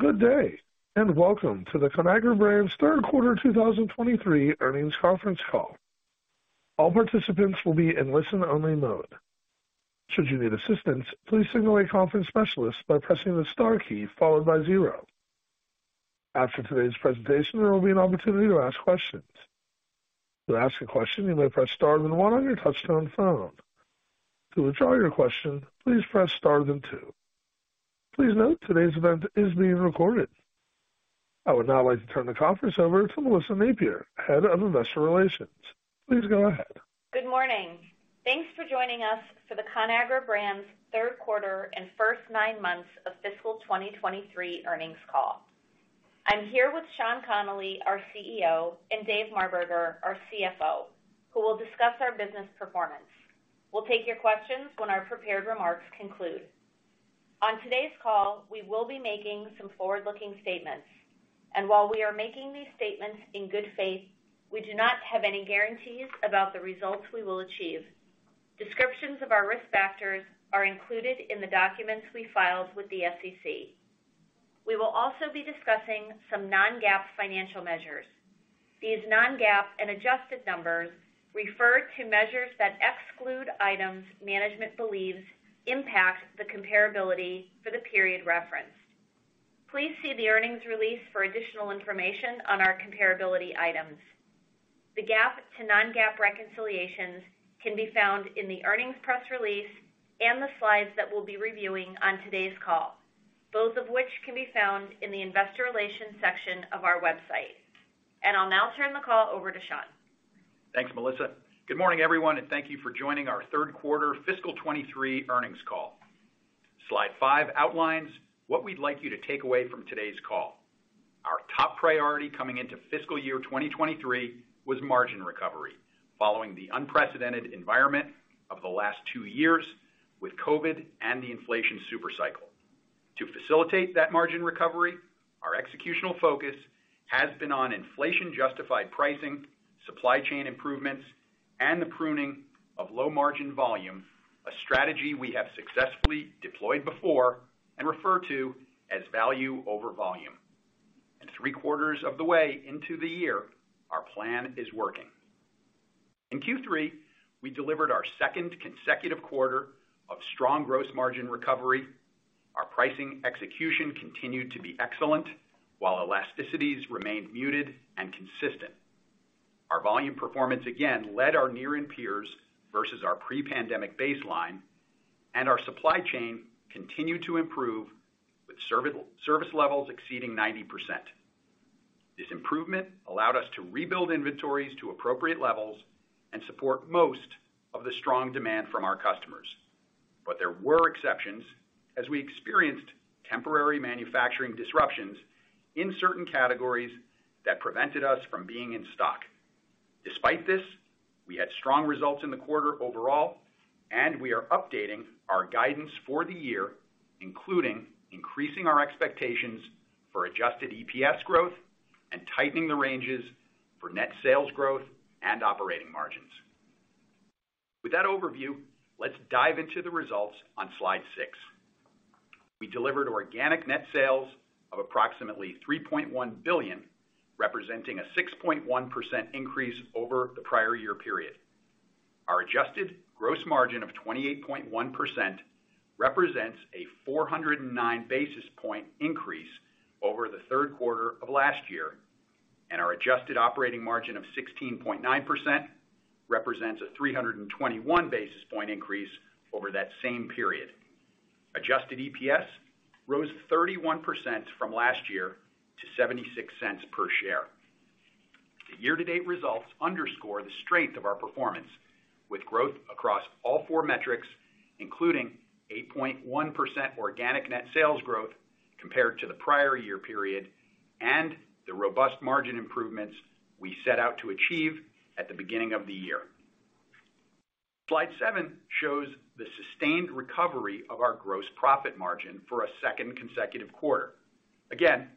Good day, welcome to the Conagra Brands third quarter 2023 earnings conference call. All participants will be in listen-only mode. Should you need assistance, please signal a conference specialist by pressing the star key followed by zero. After today's presentation, there will be an opportunity to ask questions. To ask a question, you may press star then one on your touchtone phone. To withdraw your question, please press star then two. Please note today's event is being recorded. I would now like to turn the conference over to Melissa Napier, Head of Investor Relations. Please go ahead. Good morning. Thanks for joining us for the Conagra Brands third quarter and first nine months of fiscal 2023 earnings call. I'm here with Sean Connolly, our CEO, and Dave Marberger, our CFO, who will discuss our business performance. We'll take your questions when our prepared remarks conclude. On today's call, we will be making some forward-looking statements, while we are making these statements in good faith, we do not have any guarantees about the results we will achieve. Descriptions of our risk factors are included in the documents we filed with the SEC. We will also be discussing some non-GAAP financial measures. These non-GAAP and adjusted numbers refer to measures that exclude items management believes impact the comparability for the period referenced. Please see the earnings release for additional information on our comparability items. The GAAP to non-GAAP reconciliations can be found in the earnings press release and the slides that we'll be reviewing on today's call, both of which can be found in the investor relations section of our website. I'll now turn the call over to Sean. Thanks, Melissa. Good morning, everyone, and thank you for joining our third quarter fiscal 2023 earnings call. Slide 5 outlines what we'd like you to take away from today's call. Our top priority coming into fiscal year 2023 was margin recovery, following the unprecedented environment of the last two years with COVID and the inflation super cycle. To facilitate that margin recovery, our executional focus has been on inflation-justified pricing, supply chain improvements, and the pruning of low margin volume, a strategy we have successfully deployed before and refer to as value over volume. Three quarters of the way into the year, our plan is working. In Q3, we delivered our second consecutive quarter of strong gross margin recovery. Our pricing execution continued to be excellent while elasticities remained muted and consistent. Our volume performance again led our near and peers versus our pre-pandemic baseline. Our supply chain continued to improve with service levels exceeding 90%. This improvement allowed us to rebuild inventories to appropriate levels and support most of the strong demand from our customers. There were exceptions as we experienced temporary manufacturing disruptions in certain categories that prevented us from being in stock. Despite this, we had strong results in the quarter overall. We are updating our guidance for the year, including increasing our expectations for adjusted EPS growth and tightening the ranges for net sales growth and operating margins. With that overview, let's dive into the results on Slide 6. We delivered organic net sales of approximately $3.1 billion, representing a 6.1% increase over the prior year period. Our adjusted gross margin of 28.1% represents a 409 basis point increase over the third quarter of last year, and our adjusted operating margin of 16.9% represents a 321 basis point increase over that same period. Adjusted EPS rose 31% from last year to $0.76 per share. The year-to-date results underscore the strength of our performance with growth across all four metrics, including 8.1% organic net sales growth compared to the prior year period, and the robust margin improvements we set out to achieve at the beginning of the year. Slide 7 shows the sustained recovery of our gross profit margin for a second consecutive quarter. Again,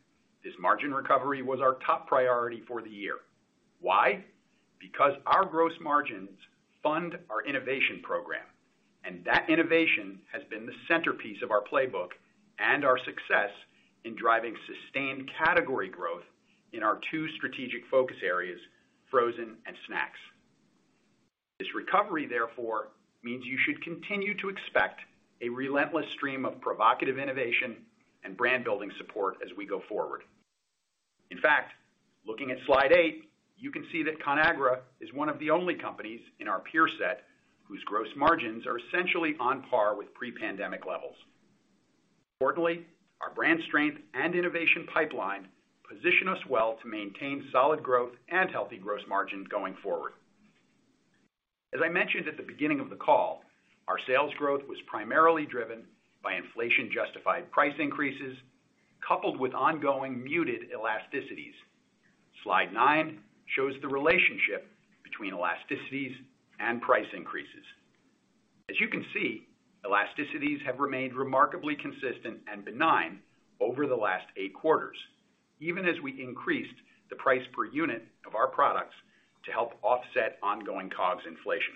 this margin recovery was our top priority for the year. Why? Our gross margins fund our innovation program, and that innovation has been the centerpiece of our playbook and our success in driving sustained category growth in our two strategic focus areas, frozen and snacks. This recovery, therefore, means you should continue to expect a relentless stream of provocative innovation and brand building support as we go forward. In fact, looking at Slide 8, you can see that Conagra is one of the only companies in our peer set whose gross margins are essentially on par with pre-pandemic levels. Importantly, our brand strength and innovation pipeline position us well to maintain solid growth and healthy gross margin going forward. As I mentioned at the beginning of the call, our sales growth was primarily driven by inflation-justified price increases, coupled with ongoing muted elasticities. Slide 9 shows the relationship between elasticities and price increases. As you can see, elasticities have remained remarkably consistent and benign over the last eight quarters, even as we increased the price per unit of our products to help offset ongoing COGS inflation.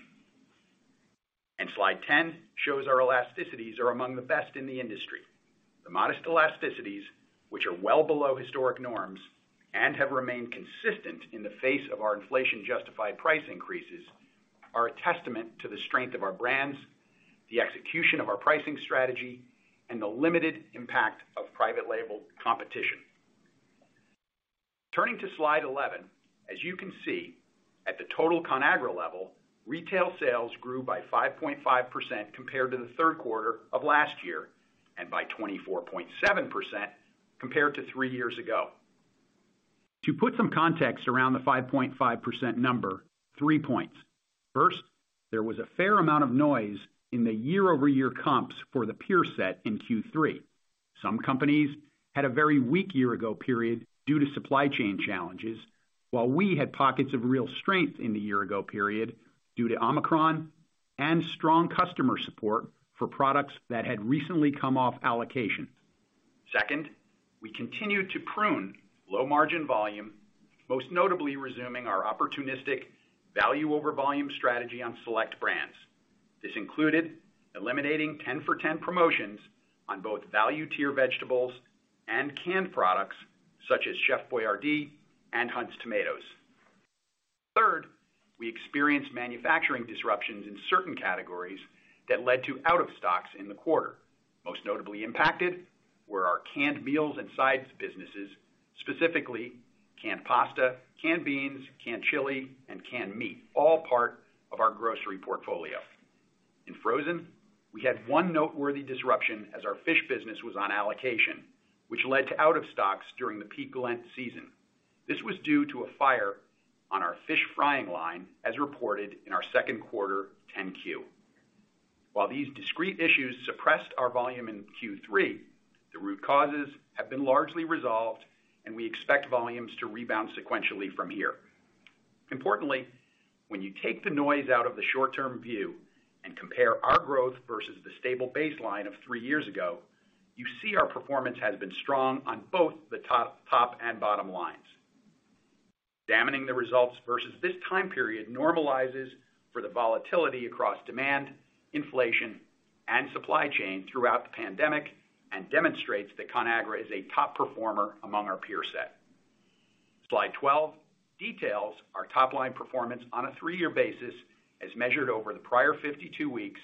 Slide 10 shows our elasticities are among the best in the industry. The modest elasticities, which are well below historic norms and have remained consistent in the face of our inflation justified price increases, are a testament to the strength of our brands, the execution of our pricing strategy, and the limited impact of private label competition. Turning to Slide 11, as you can see at the total Conagra level, retail sales grew by 5.5% compared to the third quarter of last year, and by 24.7% compared to three years ago. To put some context around the 5.5% number, three points. First, there was a fair amount of noise in the year-over-year comps for the peer set in Q3. Some companies had a very weak year ago period due to supply chain challenges, while we had pockets of real strength in the year ago period due to Omicron and strong customer support for products that had recently come off allocation. Second, we continued to prune low margin volume, most notably resuming our opportunistic value over volume strategy on select brands. This included eliminating 10 for 10 promotions on both value tier vegetables and canned products such as Chef Boyardee and Hunt's Tomatoes. Third, we experienced manufacturing disruptions in certain categories that led to out of stocks in the quarter. Most notably impacted were our canned meals and sides businesses, specifically canned pasta, canned beans, canned chili, and canned meat, all part of our grocery portfolio. In Frozen, we had one noteworthy disruption as our fish business was on allocation, which led to out of stocks during the peak Lent season. This was due to a fire on our fish frying line as reported in our second quarter 10-Q. While these discrete issues suppressed our volume in Q3, the root causes have been largely resolved and we expect volumes to rebound sequentially from here. Importantly, when you take the noise out of the short term view and compare our growth versus the stable baseline of three years ago, you see our performance has been strong on both the top and bottom lines. Examining the results versus this time period normalizes for the volatility across demand, inflation and supply chain throughout the pandemic and demonstrates that Conagra is a top performer among our peer set. Slide 12 details our top line performance on a three-year basis as measured over the prior 52 weeks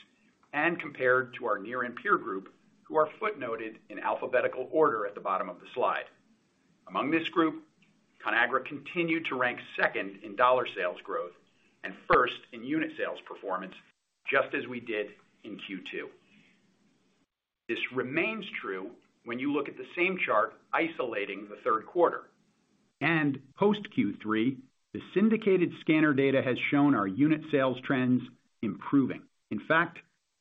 and compared to our near and peer group who are footnoted in alphabetical order at the bottom of the slide. Among this group, Conagra continued to rank second in dollar sales growth and first in unit sales performance, just as we did in Q2. This remains true when you look at the same chart isolating the third quarter and post Q3, the syndicated scanner data has shown our unit sales trends improving.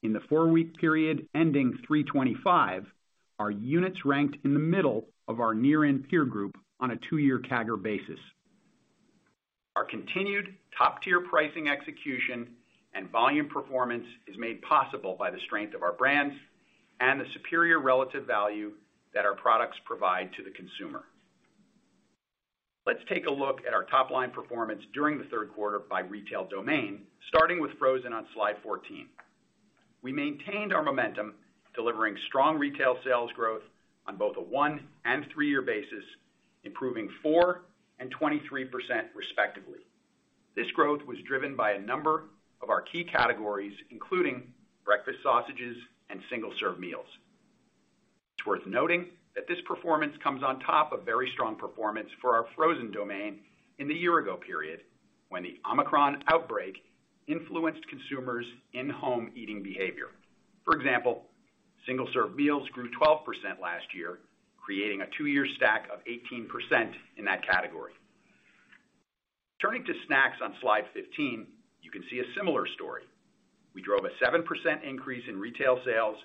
In the four-week period ending 3/25, our units ranked in the middle of our near and peer group on a two-year CAGR basis. Our continued top-tier pricing execution and volume performance is made possible by the strength of our brands and the superior relative value that our products provide to the consumer. Let's take a look at our top line performance during the third quarter by retail domain. Starting with Frozen on Slide 14. We maintained our momentum, delivering strong retail sales growth on both a one- and three-year basis, improving 4% and 23% respectively. This growth was driven by a number of our key categories, including breakfast sausages and single serve meals. It's worth noting that this performance comes on top of very strong performance for our frozen domain in the year ago period when the Omicron outbreak influenced consumers in home eating behavior. For example, single serve meals grew 12% last year, creating a two-year stack of 18% in that category. Turning to Snacks on Slide 15, you can see a similar story. We drove a 7% increase in retail sales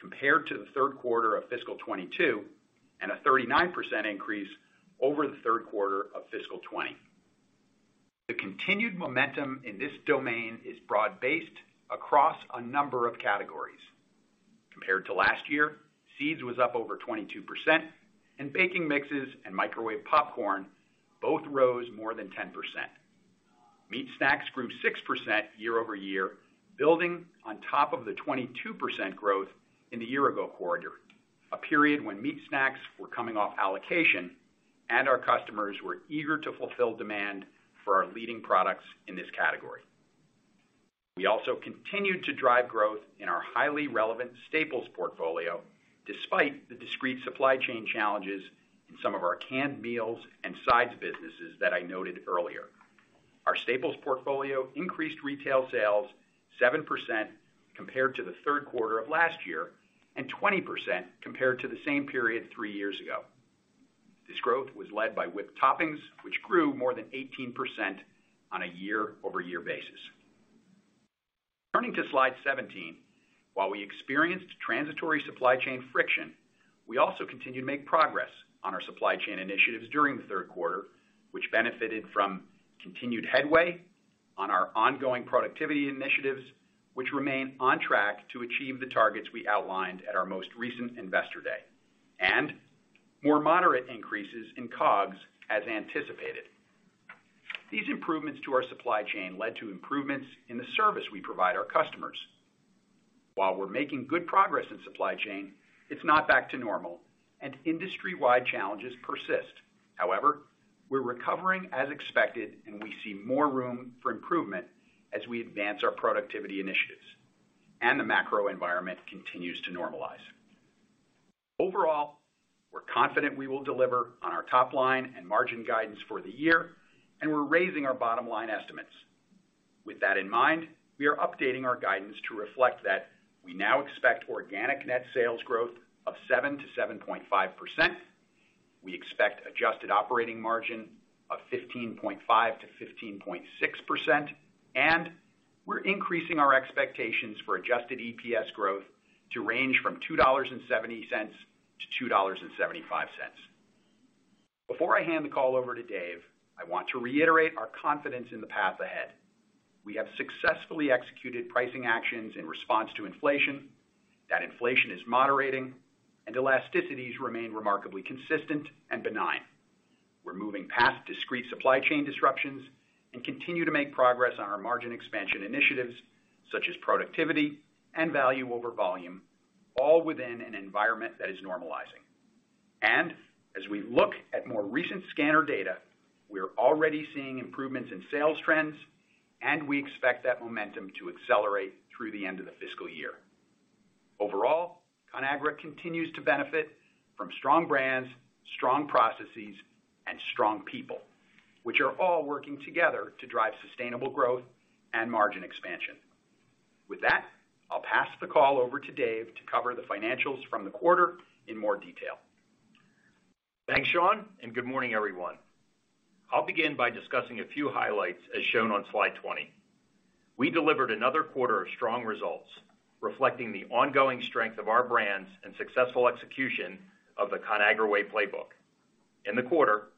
compared to the third quarter of fiscal 2022, and a 39% increase over the third quarter of fiscal 2020. The continued momentum in this domain is broad-based across a number of categories. Compared to last year, seeds was up over 22% and baking mixes and microwave popcorn both rose more than 10%. Meat snacks grew 6% year-over-year, building on top of the 22% growth in the year ago quarter, a period when meat snacks were coming off allocation and our customers were eager to fulfill demand for our leading products in this category. We also continued to drive growth in our highly relevant staples portfolio despite the discrete supply chain challenges in some of our canned meals and sides businesses that I noted earlier. Our staples portfolio increased retail sales 7% compared to the third quarter of last year and 20% compared to the same period three years ago. This growth was led by Whipped Toppings, which grew more than 18% on a year-over-year basis. Turning to Slide 17. While we experienced transitory supply chain friction, we also continued to make progress on our supply chain initiatives during the third quarter, which benefited from continued headway on our ongoing productivity initiatives, which remain on track to achieve the targets we outlined at our most recent Investor Day. More moderate increases in COGS as anticipated. These improvements to our supply chain led to improvements in the service we provide our customers. While we're making good progress in supply chain, it's not back to normal and industry-wide challenges persist. However, we're recovering as expected, and we see more room for improvement as we advance our productivity initiatives and the macro environment continues to normalize. Overall, we're confident we will deliver on our top line and margin guidance for the year, and we're raising our bottom-line estimates. With that in mind, we are updating our guidance to reflect that we now expect organic net sales growth of 7%-7.5%. We expect adjusted operating margin of 15.5%-15.6%, and we're increasing our expectations for adjusted EPS growth to range from $2.70-$2.75. Before I hand the call over to Dave, I want to reiterate our confidence in the path ahead. We have successfully executed pricing actions in response to inflation. That inflation is moderating and elasticities remain remarkably consistent and benign. We're moving past discrete supply chain disruptions and continue to make progress on our margin expansion initiatives such as productivity and value over volume, all within an environment that is normalizing. As we look at more recent scanner data, we are already seeing improvements in sales trends, and we expect that momentum to accelerate through the end of the fiscal year. Overall, Conagra continues to benefit from strong brands, strong processes, and strong people, which are all working together to drive sustainable growth and margin expansion. With that, I'll pass the call over to Dave to cover the financials from the quarter in more detail. Thanks, Sean, and good morning, everyone. I'll begin by discussing a few highlights as shown on Slide 20. We delivered another quarter of strong results reflecting the ongoing strength of our brands and successful execution of the Conagra Way playbook. In the quarter,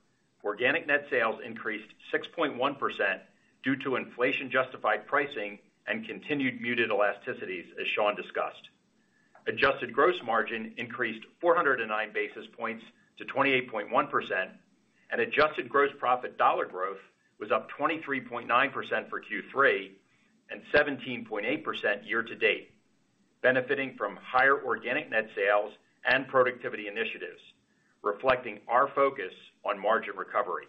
organic net sales increased 6.1% due to inflation-justified pricing and continued muted elasticities, as Sean discussed. Adjusted gross margin increased 409 basis points to 28.1%. Adjusted gross profit dollar growth was up 23.9% for Q3 and 17.8% year-to-date, benefiting from higher organic net sales and productivity initiatives, reflecting our focus on margin recovery.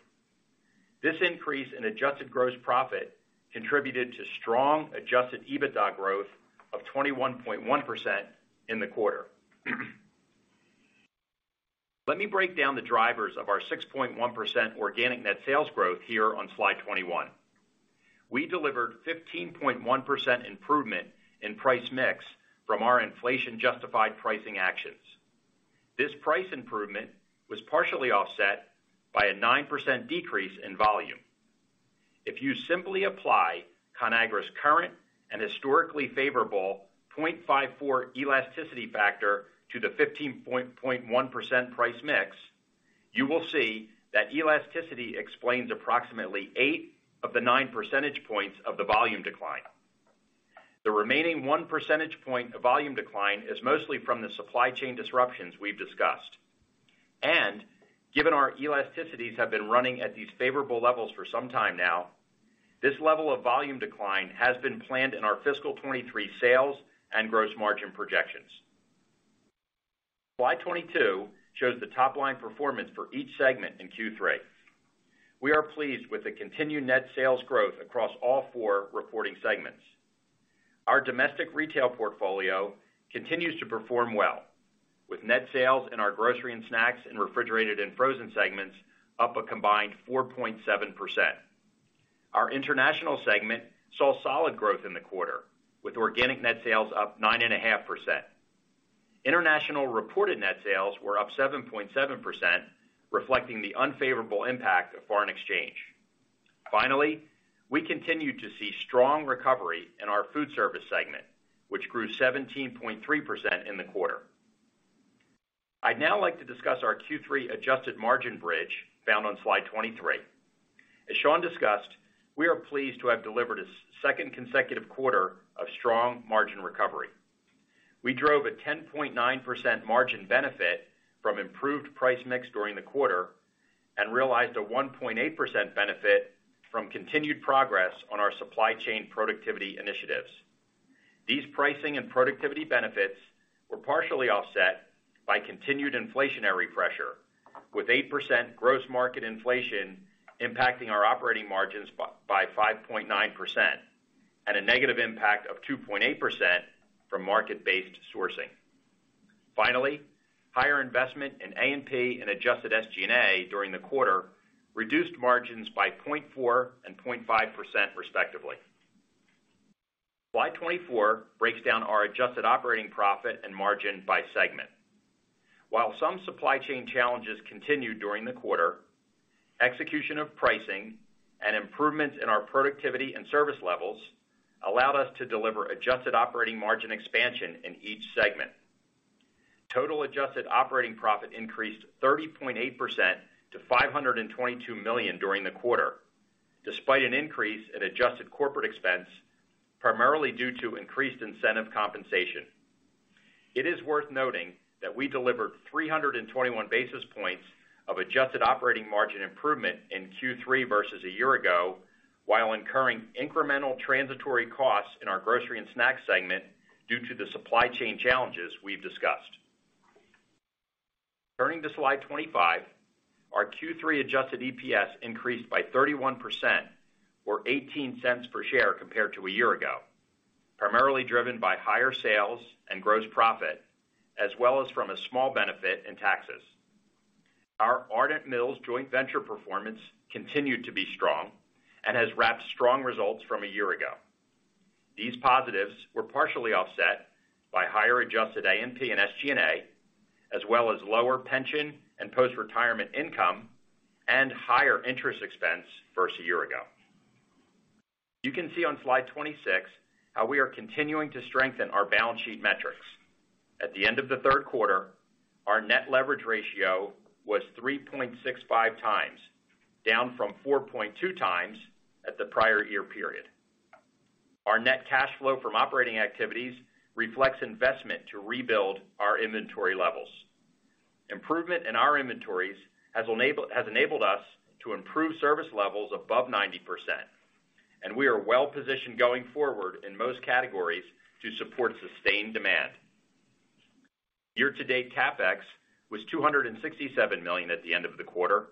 This increase in adjusted gross profit contributed to strong adjusted EBITDA growth of 21.1% in the quarter. Let me break down the drivers of our 6.1% organic net sales growth here on Slide 21. We delivered 15.1% improvement in price mix from our inflation-justified pricing actions. This price improvement was partially offset by a 9% decrease in volume. If you simply apply Conagra's current and historically favorable 0.54 elasticity factor to the 15.1% price mix, you will see that elasticity explains approximately eight of the nine percentage points of the volume decline. The remaining one percentage point of volume decline is mostly from the supply chain disruptions we've discussed. Given our elasticities have been running at these favorable levels for some time now, this level of volume decline has been planned in our fiscal 2023 sales and gross margin projections. Slide 22 shows the top-line performance for each segment in Q3. We are pleased with the continued net sales growth across all four reporting segments. Our domestic retail portfolio continues to perform well, with net sales in our Grocery & Snacks and Refrigerated & Frozen segments up a combined 4.7%. Our International segment saw solid growth in the quarter, with organic net sales up 9.5%. International reported net sales were up 7.7%, reflecting the unfavorable impact of foreign exchange. We continued to see strong recovery in our Foodservice segment, which grew 17.3% in the quarter. I'd now like to discuss our Q3 adjusted margin bridge found on Slide 23. As Sean discussed, we are pleased to have delivered a second consecutive quarter of strong margin recovery. We drove a 10.9% margin benefit from improved price mix during the quarter and realized a 1.8% benefit from continued progress on our supply chain productivity initiatives. These pricing and productivity benefits were partially offset by continued inflationary pressure, with 8% gross market inflation impacting our operating margins by 5.9% and a negative impact of 2.8% from market-based sourcing. Higher investment in A&P and adjusted SG&A during the quarter reduced margins by 0.4% and 0.5% respectively. Slide 24 breaks down our adjusted operating profit and margin by segment. While some supply chain challenges continued during the quarter, execution of pricing and improvements in our productivity and service levels allowed us to deliver adjusted operating margin expansion in each segment. Total adjusted operating profit increased 30.8% to $522 million during the quarter, despite an increase in adjusted corporate expense, primarily due to increased incentive compensation. It is worth noting that we delivered 321 basis points of adjusted operating margin improvement in Q3 versus a year ago, while incurring incremental transitory costs in our Grocery & Snacks segment due to the supply chain challenges we've discussed. Turning to Slide 25. Our Q3 adjusted EPS increased by 31% or $0.18 per share compared to a year ago, primarily driven by higher sales and gross profit as well as from a small benefit in taxes. Our Ardent Mills joint venture performance continued to be strong and has wrapped strong results from a year ago. These positives were partially offset by higher adjusted A&P and SG&A, as well as lower pension and post-retirement income and higher interest expense versus a year ago. You can see on Slide 26 how we are continuing to strengthen our balance sheet metrics. At the end of the third quarter, our net leverage ratio was 3.65x, down from 4.2x at the prior year period. Our net cash flow from operating activities reflects investment to rebuild our inventory levels. Improvement in our inventories has enabled us to improve service levels above 90%, and we are well positioned going forward in most categories to support sustained demand. Year-to-date CapEx was $267 million at the end of the quarter,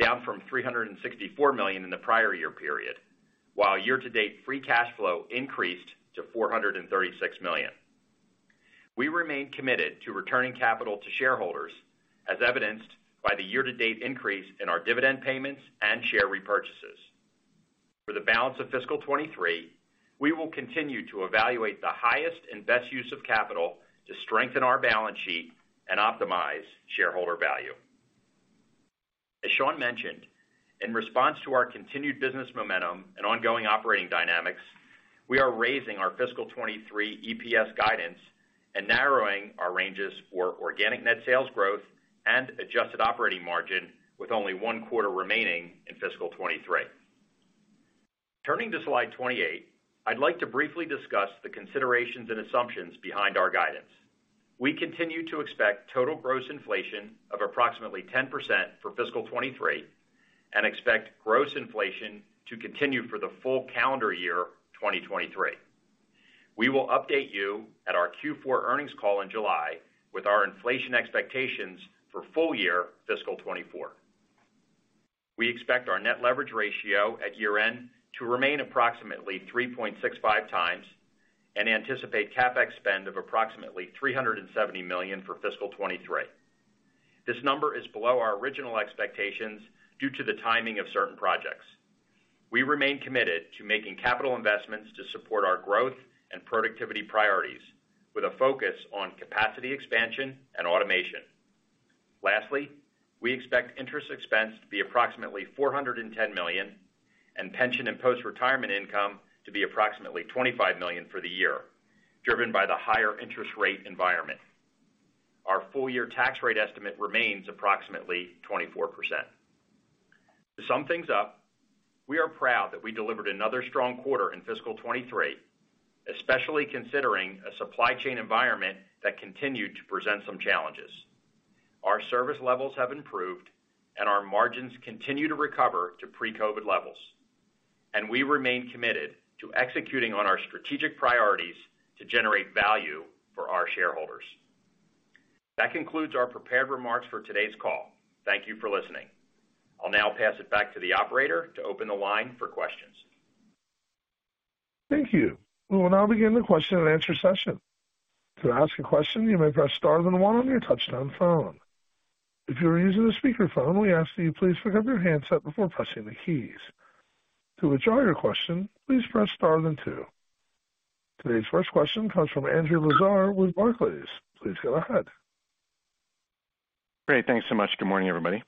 down from $364 million in the prior year period, while year-to-date free cash flow increased to $436 million. We remain committed to returning capital to shareholders, as evidenced by the year-to-date increase in our dividend payments and share repurchases. For the balance of fiscal 2023, we will continue to evaluate the highest and best use of capital to strengthen our balance sheet and optimize shareholder value. As Sean mentioned, in response to our continued business momentum and ongoing operating dynamics, we are raising our fiscal 2023 EPS guidance and narrowing our ranges for organic net sales growth and adjusted operating margin with only one quarter remaining in fiscal 2023. Turning to Slide 28. I'd like to briefly discuss the considerations and assumptions behind our guidance. We continue to expect total gross inflation of approximately 10% for fiscal 2023, and expect gross inflation to continue for the full calendar year, 2023. We will update you at our Q4 earnings call in July with our inflation expectations for full year fiscal 2024. We expect our net leverage ratio at year-end to remain approximately 3.65x and anticipate CapEx spend of approximately $370 million for fiscal 2023. This number is below our original expectations due to the timing of certain projects. We remain committed to making capital investments to support our growth and productivity priorities, with a focus on capacity expansion and automation. Lastly, we expect interest expense to be approximately $410 million and pension and post-retirement income to be approximately $25 million for the year, driven by the higher interest rate environment. Our full year tax rate estimate remains approximately 24%. To sum things up, we are proud that we delivered another strong quarter in fiscal 2023, especially considering a supply chain environment that continued to present some challenges. Our service levels have improved and our margins continue to recover to pre-COVID levels, and we remain committed to executing on our strategic priorities to generate value for our shareholders. That concludes our prepared remarks for today's call. Thank you for listening. I'll now pass it back to the operator to open the line for questions. Thank you. We will now begin the question-and-answer session. To ask a question, you may press star then one on your touch-tone phone. If you are using a speaker phone, we ask that you please pick up your handset before pressing the keys. To withdraw your question, please press star then two. Today's first question comes from Andrew Lazar with Barclays. Please go ahead. Great. Thanks so much. Good morning, everybody.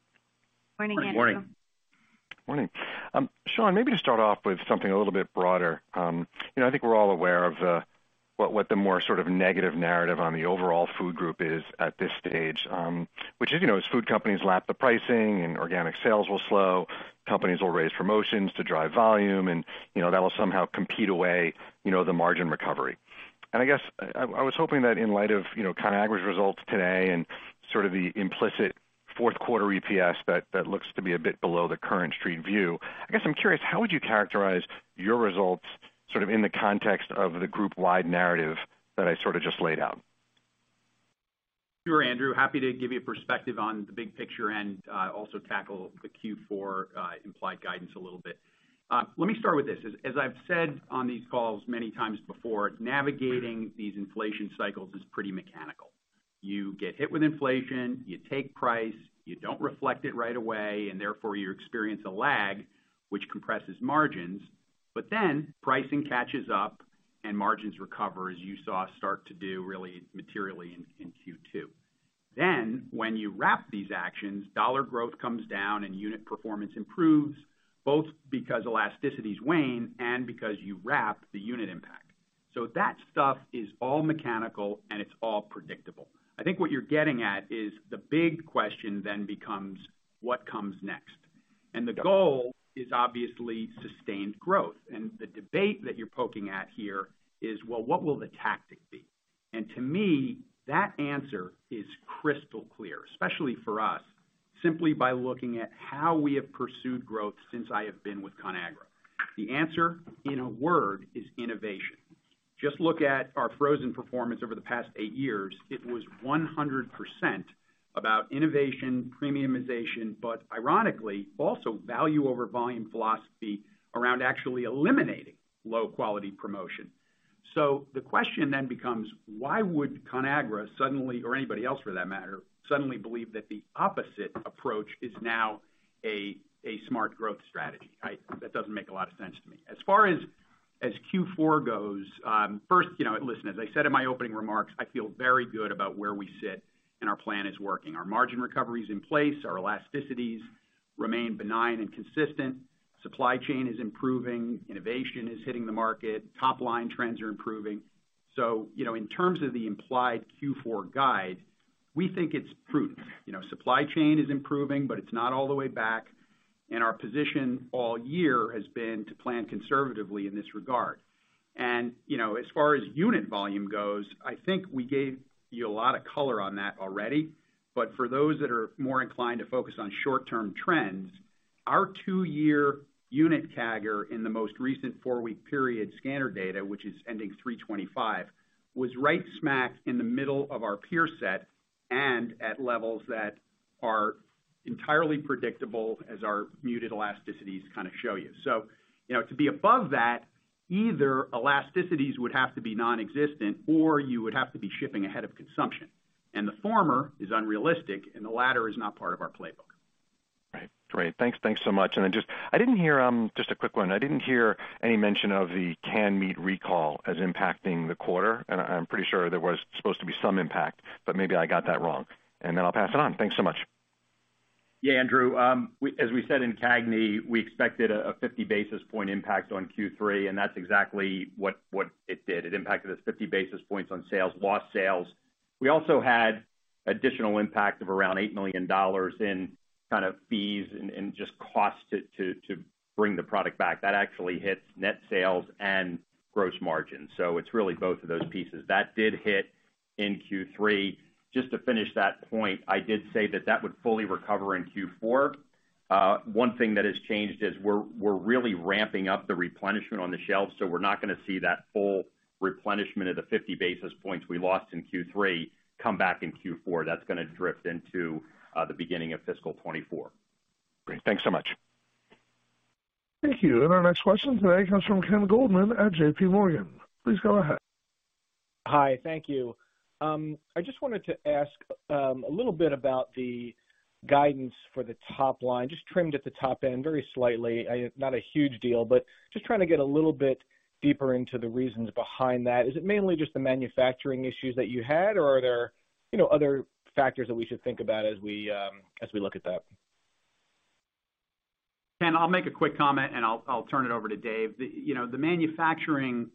Morning, Andrew. Good morning. Morning. Sean, maybe to start off with something a little bit broader. You know, I think we're all aware of, what the more sort of negative narrative on the overall food group is at this stage, which is, you know, as food companies lap the pricing and organic sales will slow, companies will raise promotions to drive volume and, you know, that will somehow compete away, you know, the margin recovery. I guess I was hoping that in light of, you know, Conagra's results today and sort of the implicit fourth quarter EPS that looks to be a bit below the current street view, I guess I'm curious, how would you characterize your results, sort of in the context of the group-wide narrative that I sort of just laid out? Sure, Andrew. Happy to give you a perspective on the big picture and also tackle the Q4 implied guidance a little bit. Let me start with this. As I've said on these calls many times before, navigating these inflation cycles is pretty mechanical. You get hit with inflation, you take price, you don't reflect it right away, and therefore you experience a lag, which compresses margins. Pricing catches up and margins recover, as you saw start to do really materially in Q2. When you wrap these actions, dollar growth comes down and unit performance improves, both because elasticities wane and because you wrap the unit impact. That stuff is all mechanical and it's all predictable. I think what you're getting at is the big question then becomes: What comes next? The goal is obviously sustained growth. The debate that you're poking at here is, well, what will the tactic be? To me, that answer is crystal clear, especially for us, simply by looking at how we have pursued growth since I have been with Conagra. The answer, in a word, is innovation. Just look at our frozen performance over the past eight years. It was 100% about innovation, premiumization, but ironically, also value over volume philosophy around actually eliminating low-quality promotion. The question then becomes, why would Conagra suddenly, or anybody else for that matter, suddenly believe that the opposite approach is now a smart growth strategy? That doesn't make a lot of sense to me. As far as Q4 goes, first, you know, listen, as I said in my opening remarks, I feel very good about where we sit and our plan is working. Our margin recovery is in place, our elasticities remain benign and consistent. Supply chain is improving, innovation is hitting the market, top line trends are improving. In terms of the implied Q4 guide, we think it's prudent. You know, supply chain is improving, but it's not all the way back. Our position all year has been to plan conservatively in this regard. You know, as far as unit volume goes, I think we gave you a lot of color on that already. For those that are more inclined to focus on short-term trends, our two-year unit CAGR in the most recent four-week period scanner data, which is ending 3/25, was right smack in the middle of our peer set and at levels that are entirely predictable as our muted elasticities kind of show you. You know, to be above that, either elasticities would have to be nonexistent or you would have to be shipping ahead of consumption. The former is unrealistic and the latter is not part of our playbook. Right. Great. Thanks so much. Then just-- I didn't hear, just a quick one. I didn't hear any mention of the canned meat recall as impacting the quarter, and I'm pretty sure there was supposed to be some impact, but maybe I got that wrong. Then I'll pass it on. Thanks so much. Andrew. As we said in CAGNY, we expected a 50 basis point impact on Q3, and that's exactly what it did. It impacted us 50 basis points on sales, lost sales. We also had additional impact of around $8 million in kind of fees and just cost to bring the product back. That actually hits net sales and gross margin. It's really both of those pieces. That did hit in Q3. Just to finish that point, I did say that that would fully recover in Q4. One thing that has changed is we're really ramping up the replenishment on the shelf, so we're not gonna see that full replenishment of the 50 basis points we lost in Q3 come back in Q4. That's gonna drift into the beginning of fiscal 2024. Great. Thanks so much. Thank you. Our next question today comes from Ken Goldman at JP Morgan. Please go ahead. Hi, thank you. I just wanted to ask, a little bit about the guidance for the top line, just trimmed at the top end very slightly. Not a huge deal, but just trying to get a little bit deeper into the reasons behind that. Is it mainly just the manufacturing issues that you had, or are there, you know, other factors that we should think about as we, as we look at that? Ken, I'll make a quick comment, and I'll turn it over to Dave. The, you know, the manufacturing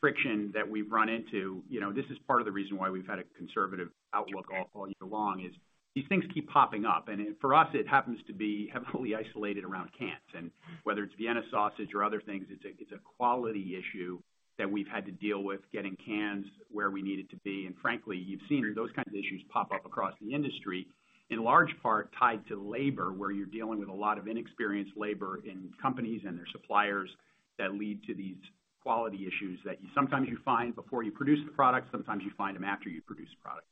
friction that we've run into, you know, this is part of the reason why we've had a conservative outlook all year long, is these things keep popping up. For us, it happens to be heavily isolated around cans. Whether it's Vienna Sausage or other things, it's a quality issue that we've had to deal with getting cans where we need it to be. Frankly, you've seen those kinds of issues pop up across the industry, in large part tied to labor, where you're dealing with a lot of inexperienced labor in companies and their suppliers that lead to these quality issues that you sometimes you find before you produce the product, sometimes you find them after you produce the product.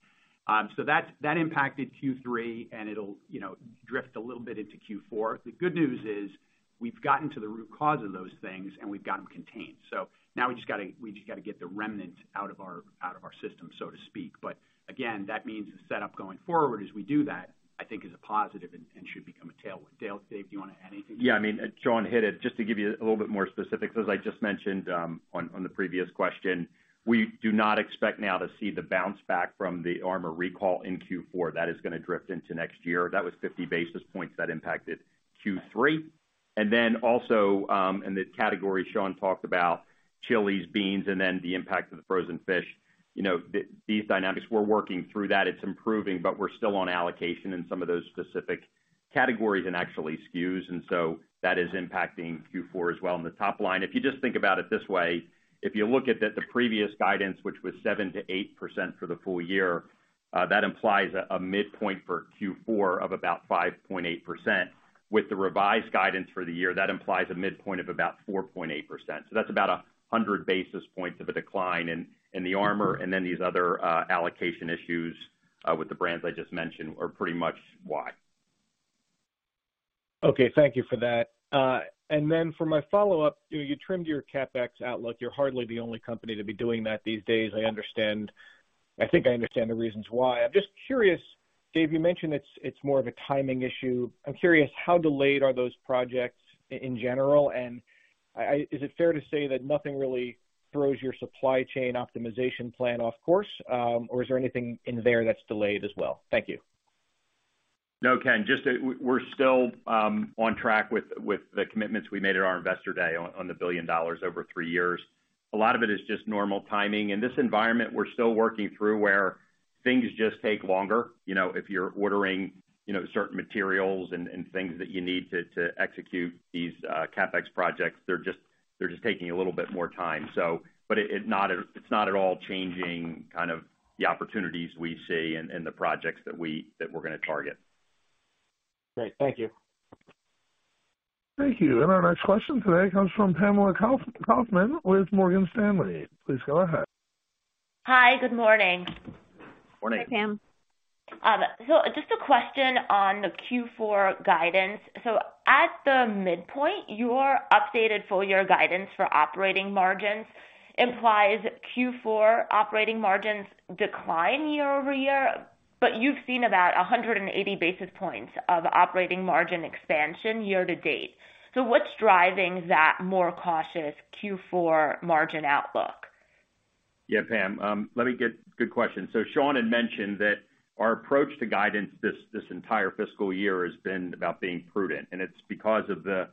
That impacted Q3 and it'll, you know, drift a little bit into Q4. The good news is we've gotten to the root cause of those things, and we've got them contained. Now we just gotta get the remnant out of our, out of our system, so to speak. Again, that means the setup going forward as we do that, I think is a positive and should become a tailwind. Dave, do you wanna add anything? Yeah, I mean, Sean hit it. Just to give you a little bit more specifics, as I just mentioned, on the previous question, we do not expect now to see the bounce back from the Armour recall in Q4. That is gonna drift into next year. That was 50 basis points that impacted Q3. In the category Sean talked about, chilies, beans, the impact of the frozen fish. These dynamics, we're working through that, it's improving, but we're still on allocation in some of those specific categories and actually SKUs, that is impacting Q4 as well in the top line. If you just think about it this way, if you look at the previous guidance, which was 7%-8% for the full year, that implies a midpoint for Q4 of about 5.8%. With the revised guidance for the year, that implies a midpoint of about 4.8%. That's about 100 basis points of a decline in the Armour and these other allocation issues with the brands I just mentioned are pretty much why. Okay. Thank you for that. For my follow-up, you trimmed your CapEx outlook. You're hardly the only company to be doing that these days, I understand. I think I understand the reasons why. I'm just curious, Dave, you mentioned it's more of a timing issue. I'm curious how delayed are those projects in general, and is it fair to say that nothing really throws your supply chain optimization plan off course, or is there anything in there that's delayed as well? Thank you. No, Ken. Just that we're still on track with the commitments we made at our Investor Day on the $1 billion over three years. A lot of it is just normal timing. In this environment, we're still working through where things just take longer. You know, if you're ordering, you know, certain materials and things that you need to execute these, CapEx projects, they're just taking a little bit more time. It's not at all changing kind of the opportunities we see in the projects that we're gonna target. Great. Thank you. Thank you. Our next question today comes from Pamela Kaufman with Morgan Stanley. Please go ahead. Hi. Good morning. Morning. Just a question on the Q4 guidance. At the midpoint, your updated full year guidance for operating margins implies Q4 operating margins decline year-over-year, but you've seen about 180 basis points of operating margin expansion year to date. What's driving that more cautious Q4 margin outlook? Yeah, Pam, Good question. Sean had mentioned that our approach to guidance this entire fiscal year has been about being prudent, and it's because of the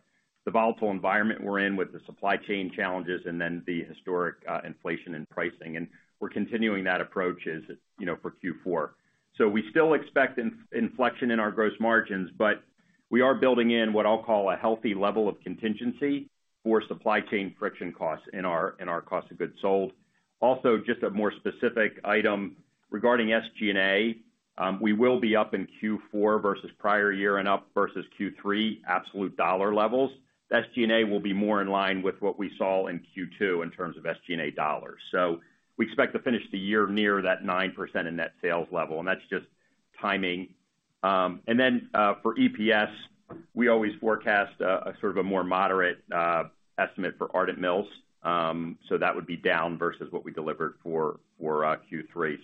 volatile environment we're in with the supply chain challenges and then the historic inflation in pricing. We're continuing that approach as, you know, for Q4. We still expect inflection in our gross margins, but we are building in what I'll call a healthy level of contingency for supply chain friction costs in our cost of goods sold. Also, just a more specific item regarding SG&A, we will be up in Q4 versus prior year and up versus Q3 absolute dollar levels. SG&A will be more in line with what we saw in Q2 in terms of SG&A dollars. We expect to finish the year near that 9% in net sales level, and that's just timing. For EPS, we always forecast a sort of a more moderate estimate for Ardent Mills, so that would be down versus what we delivered for Q3.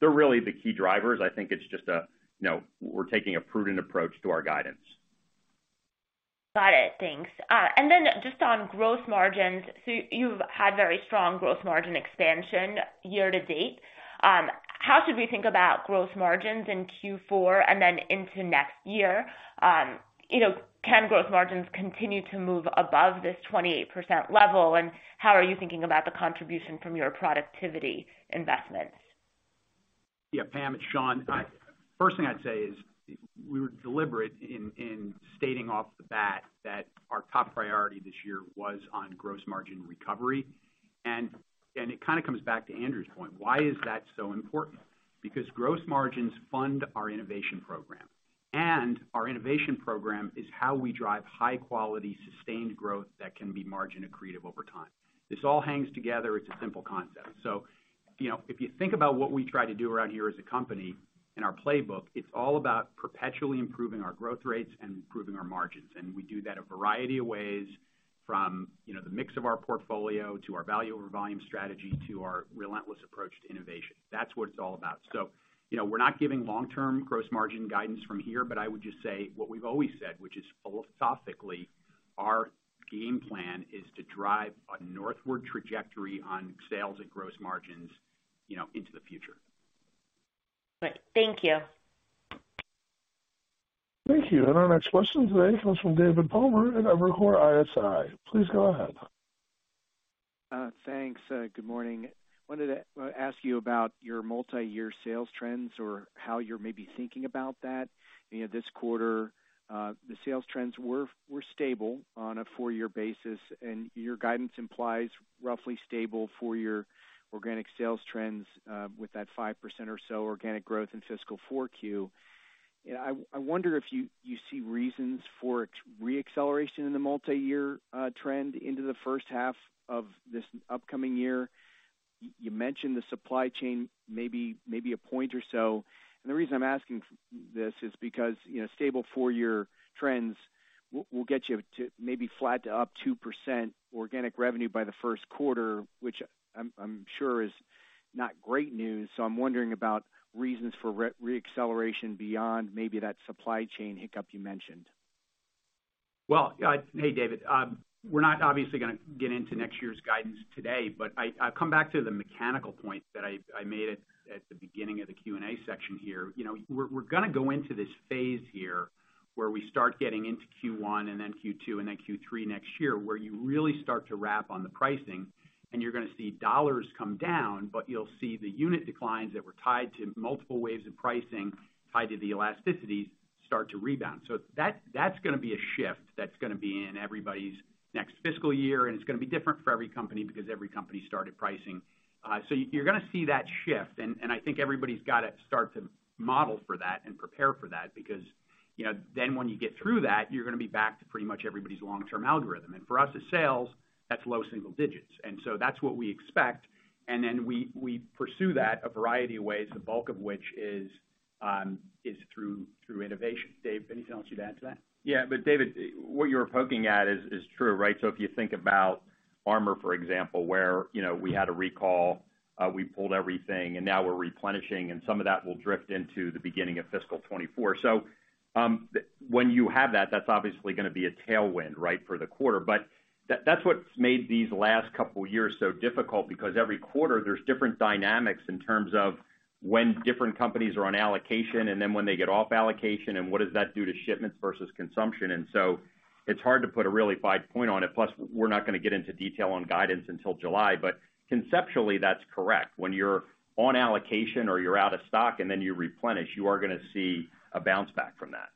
They're really the key drivers. I think it's just a, you know, we're taking a prudent approach to our guidance. Got it. Thanks. Just on gross margins. You've had very strong gross margin expansion year-to-date. How should we think about gross margins in Q4 into next year? You know, can gross margins continue to move above this 28% level, how are you thinking about the contribution from your productivity investments? Yeah, Pam, it's Sean. First thing I'd say is we were deliberate in stating off the bat that our top priority this year was on gross margin recovery. It kind of comes back to Andrew's point, why is that so important? Because gross margins fund our innovation program, and our innovation program is how we drive high quality, sustained growth that can be margin accretive over time. This all hangs together. It's a simple concept. You know, if you think about what we try to do around here as a company in our playbook, it's all about perpetually improving our growth rates and improving our margins. We do that a variety of ways from, you know, the mix of our portfolio, to our value over volume strategy, to our relentless approach to innovation. That's what it's all about. You know, we're not giving long-term gross margin guidance from here, but I would just say what we've always said, which is philosophically, our game plan is to drive a northward trajectory on sales and gross margins, you know, into the future. Great. Thank you. Thank you. Our next question today comes from David Palmer at Evercore ISI. Please go ahead. Thanks. Good morning. Wanted to ask you about your multi-year sales trends or how you're maybe thinking about that. You know, this quarter, the sales trends were stable on a four-year basis, and your guidance implies roughly stable for your organic sales trends, with that 5% or so organic growth in fiscal 4Q. I wonder if you see reasons for re-acceleration in the multi-year trend into the first half of this upcoming year. You mentioned the supply chain, maybe a point or so. The reason I'm asking this is because, you know, stable four-year trends will get you to maybe flat to up 2% organic revenue by the first quarter, which I'm sure is not great news. I'm wondering about reasons for re-acceleration beyond maybe that supply chain hiccup you mentioned. Hey, David. We're not obviously gonna get into next year's guidance today, but I come back to the mechanical point that I made at the beginning of the Q&A section here. You know, we're gonna go into this phase here where we start getting into Q1 and then Q2 and then Q3 next year, where you really start to wrap on the pricing, and you're gonna see dollars come down, but you'll see the unit declines that were tied to multiple waves of pricing tied to the elasticities start to rebound. That, that's gonna be a shift that's gonna be in everybody's next fiscal year, and it's gonna be different for every company because every company started pricing. You're gonna see that shift, and I think everybody's gotta start to model for that and prepare for that because, you know, then when you get through that, you're gonna be back to pretty much everybody's long-term algorithm. For us, as sales, that's low single digits. That's what we expect, and then we pursue that a variety of ways, the bulk of which is through innovation. Dave, anything else you'd add to that? Yeah. David, what you're poking at is true, right? If you think about Armour, for example, where, you know, we had a recall, we pulled everything, and now we're replenishing, and some of that will drift into the beginning of fiscal 2024. When you have that's obviously gonna be a tailwind, right, for the quarter. That's what's made these last couple years so difficult because every quarter there's different dynamics in terms of when different companies are on allocation and then when they get off allocation and what does that do to shipments versus consumption. It's hard to put a really fine point on it. Plus, we're not gonna get into detail on guidance until July. Conceptually, that's correct. When you're on allocation or you're out of stock and then you replenish, you are gonna see a bounce back from that.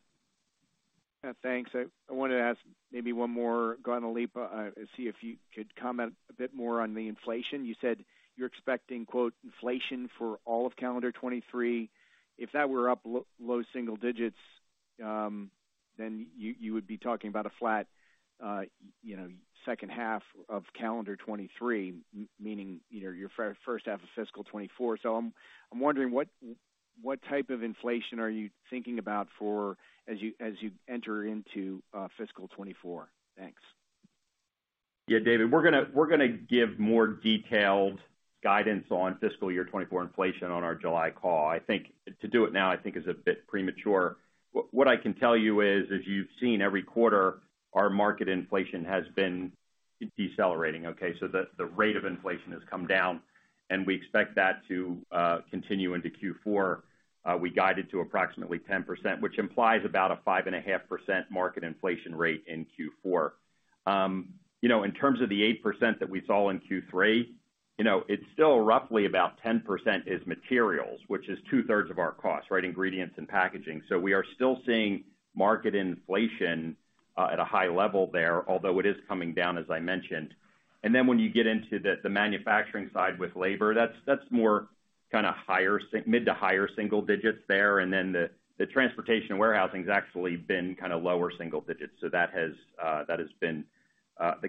Thanks. I wanted to ask maybe one more going to leap and see if you could comment a bit more on the inflation. You said you're expecting, quote, inflation for all of calendar 2023. If that were up low single digits, you would be talking about a flat, you know, second half of calendar 2023, meaning, you know, your first half of fiscal 2024. I'm wondering what type of inflation are you thinking about for as you enter into fiscal 2024? Thanks. Yeah, David, we're gonna give more detailed guidance on fiscal year 2024 inflation on our July call. I think to do it now is a bit premature. What I can tell you is, as you've seen every quarter, our market inflation has been decelerating, okay. The rate of inflation has come down, and we expect that to continue into Q4. We guided to approximately 10%, which implies about a 5.5% market inflation rate in Q4. You know, in terms of the 8% that we saw in Q3, you know, it's still roughly about 10% is materials, which is 2/3 of our cost, right, ingredients and packaging. We are still seeing market inflation at a high level there, although it is coming down, as I mentioned. When you get into the manufacturing side with labor, that's more kinda mid to higher single digits there. The, the transportation and warehousing has actually been kinda lower single digits. That has been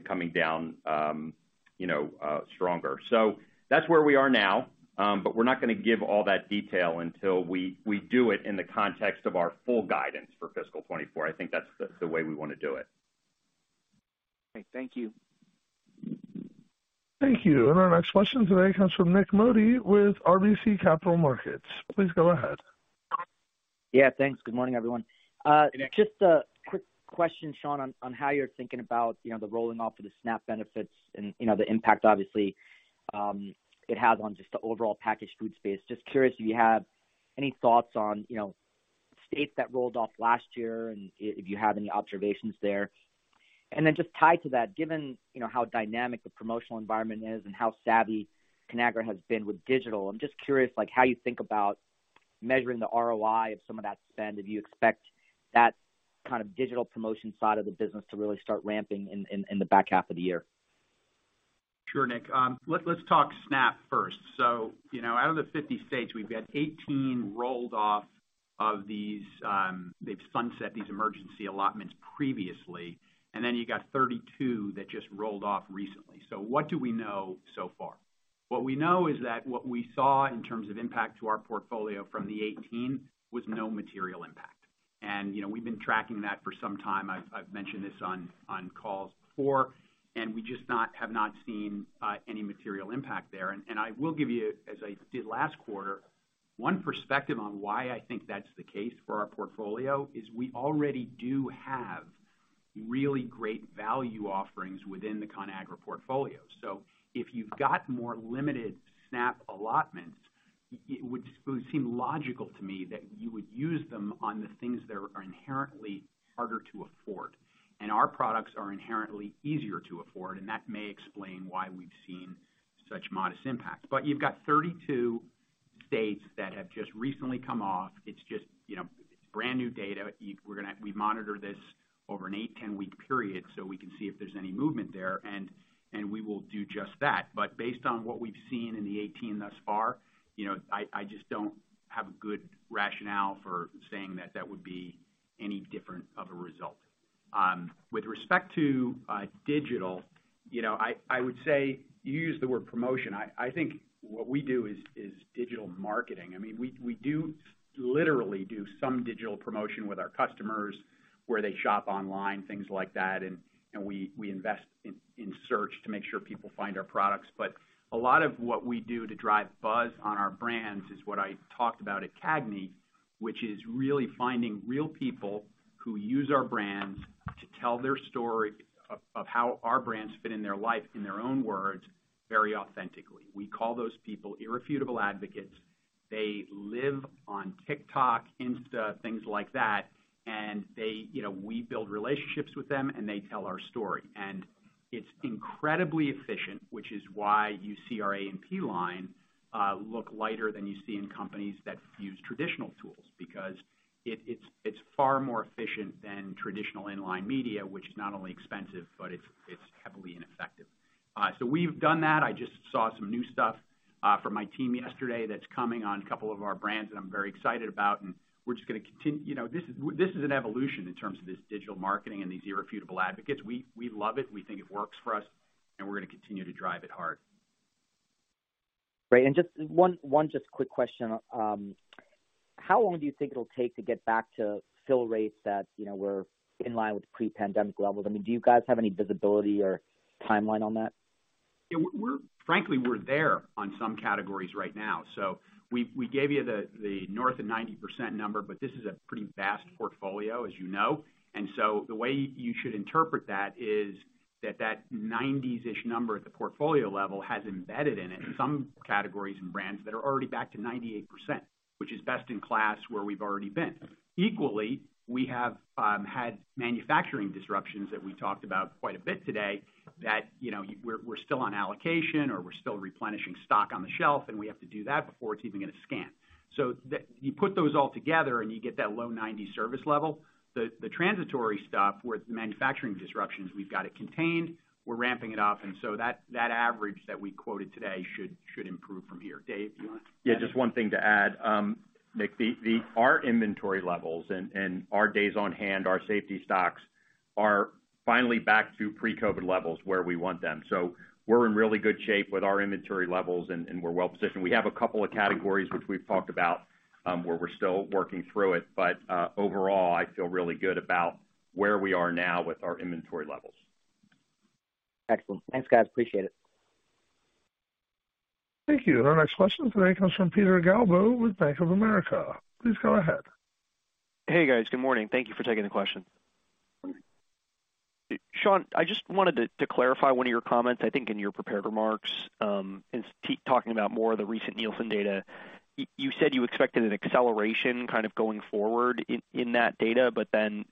coming down, you know, stronger. That's where we are now. We're not gonna give all that detail until we do it in the context of our full guidance for fiscal 2024. I think that's the way we wanna do it. Okay. Thank you. Thank you. Our next question today comes from Nik Modi with RBC Capital Markets. Please go ahead. Yeah, thanks. Good morning, everyone. Just a quick question, Sean, on how you're thinking about, you know, the rolling off of the SNAP benefits and, you know, the impact obviously, it has on just the overall packaged food space. Just curious if you have any thoughts on, you know, states that rolled off last year and if you have any observations there. Just tied to that, given, you know, how dynamic the promotional environment is and how savvy Conagra has been with digital, I'm just curious, like how you think about measuring the ROI of some of that spend. If you expect that kind of digital promotion side of the business to really start ramping in the back half of the year. Sure, Nik. Let's talk SNAP first. You know, out of the 50 states, we've had 18 rolled off of these, they've sunset these emergency allotments previously, and then you got 32 that just rolled off recently. What do we know so far? What we know is that what we saw in terms of impact to our portfolio from the 18 was no material impact. You know, we've been tracking that for some time. I've mentioned this on calls before, and we just have not seen any material impact there. I will give you, as I did last quarter, one perspective on why I think that's the case for our portfolio is we already do have really great value offerings within the Conagra portfolio. If you've got more limited SNAP allotments, it would seem logical to me that you would use them on the things that are inherently harder to afford. Our products are inherently easier to afford, and that may explain why we've seen such modest impacts. You've got 32 states that have just recently come off. It's just, you know, it's brand new data. We monitor this over an eight, 10-week period, so we can see if there's any movement there, and we will do just that. Based on what we've seen in the 18 thus far, you know, I just don't have a good rationale for saying that that would be any different of a result. With respect to digital, you know, I would say you use the word promotion. I think what we do is digital marketing. I mean, we do literally do some digital promotion with our customers where they shop online, things like that, and we invest in search to make sure people find our products. A lot of what we do to drive buzz on our brands is what I talked about at CAGNY, which is really finding real people who use our brands to tell their story of how our brands fit in their life, in their own words, very authentically. We call those people irrefutable advocates. They live on TikTok, Insta, things like that. They, you know, we build relationships with them, and they tell our story. It's incredibly efficient, which is why you see our A&P line, look lighter than you see in companies that use traditional tools because it's far more efficient than traditional in-line media, which is not only expensive, but it's heavily ineffective. We've done that. I just saw some new stuff, from my team yesterday that's coming on a couple of our brands that I'm very excited about. We're just gonna you know, this is an evolution in terms of this digital marketing and these irrefutable advocates. We love it, we think it works for us. We're gonna continue to drive it hard. Great. Just one just quick question. How long do you think it'll take to get back to fill rates that, you know, were in line with pre-pandemic levels? I mean, do you guys have any visibility or timeline on that? Yeah, frankly, we're there on some categories right now. We gave you the north of 90% number, but this is a pretty vast portfolio, as you know. The way you should interpret that is that that 90%-ish number at the portfolio level has embedded in it some categories and brands that are already back to 98%, which is best in class where we've already been. Equally, we have had manufacturing disruptions that we talked about quite a bit today that, you know, we're still on allocation or we're still replenishing stock on the shelf, and we have to do that before it's even gonna scan. You put those all together, and you get that low 90% service level. The transitory stuff with manufacturing disruptions, we've got it contained. We're ramping it up, and so that average that we quoted today should improve from here. Dave, do you wanna add anything? Yeah, just one thing to add. Nick, our inventory levels and our days on hand, our safety stocks are finally back to pre-COVID levels where we want them. We're in really good shape with our inventory levels and we're well-positioned. We have a couple of categories which we've talked about, where we're still working through it, but overall, I feel really good about where we are now with our inventory levels. Excellent. Thanks, guys. Appreciate it. Thank you. Our next question today comes from Peter Galbo with Bank of America. Please go ahead. Hey, guys. Good morning. Thank you for taking the question. Sean, I just wanted to clarify one of your comments, I think in your prepared remarks, talking about more of the recent Nielsen data. You said you expected an acceleration kind of going forward in that data.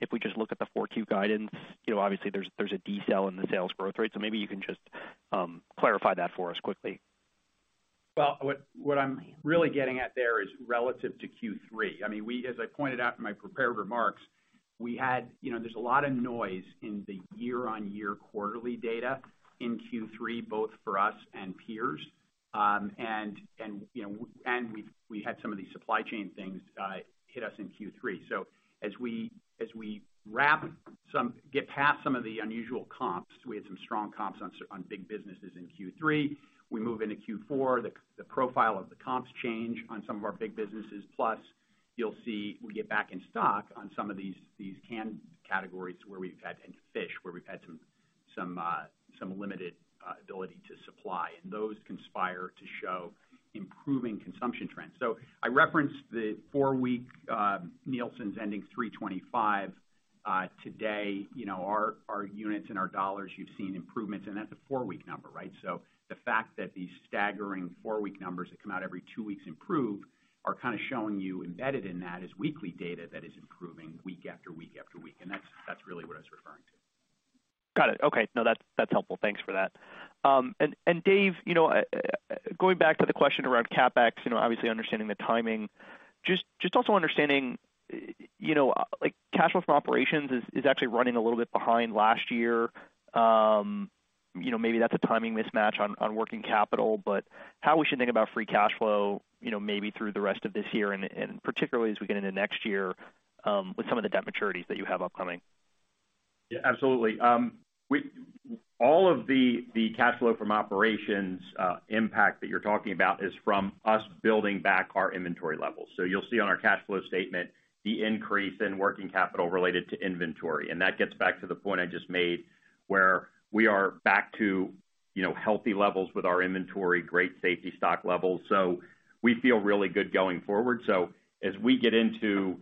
If we just look at the 4Q guidance, you know, obviously there's a decel in the sales growth rate. Maybe you can just clarify that for us quickly. Well, what I'm really getting at there is relative to Q3. I mean, we as I pointed out in my prepared remarks, we had. You know, there's a lot of noise in the year-over-year quarterly data in Q3, both for us and peers. You know, we had some of these supply chain things hit us in Q3. As we get past some of the unusual comps, we had some strong comps on big businesses in Q3. We move into Q4, the profile of the comps change on some of our big businesses. Plus you'll see we get back in stock on some of these canned categories where we've had, and fish, where we've had some limited ability to supply, and those conspire to show improving consumption trends. I referenced the four-week, Nielsen's ending 3/25, today. You know, our units and our dollars, you've seen improvements, and that's a four-week number, right? The fact that these staggering four-week numbers that come out every two weeks improve are kinda showing you embedded in that is weekly data that is improving week after week after week, and that's really what I was referring to. Got it. Okay. No, that's helpful. Thanks for that. Dave, you know, going back to the question around CapEx, you know, obviously understanding the timing. Just also understanding, you know, like, cash flow from operations is actually running a little bit behind last year. You know, maybe that's a timing mismatch on working capital. How we should think about free cash flow, you know, maybe through the rest of this year and particularly as we get into next year, with some of the debt maturities that you have upcoming. Yeah, absolutely. All of the cash flow from operations impact that you're talking about is from us building back our inventory levels. You'll see on our cash flow statement the increase in working capital related to inventory. That gets back to the point I just made, where we are back to, you know, healthy levels with our inventory, great safety stock levels. We feel really good going forward. As we get into,